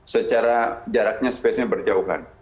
secara jaraknya sebaiknya berjauhan